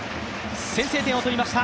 先制点を取りました。